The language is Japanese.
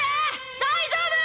大丈夫！